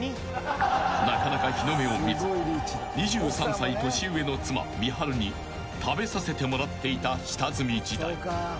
［なかなか日の目を見ず２３歳年上の妻みはるに食べさせてもらっていた下積み時代］